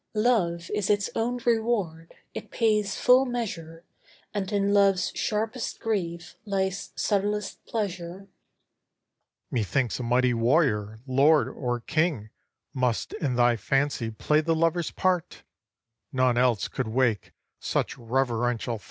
Love is its own reward, it pays full measure, And in love's sharpest grief lies subtlest pleasure. AHASUERAS Methinks, a mighty warrior, lord or king Must in thy fancy play the lover's part; None else could wake such reverential thought.